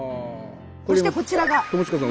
そしてこちらが。